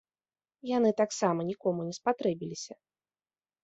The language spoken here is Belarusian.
Яны таксама нікому не спатрэбіліся.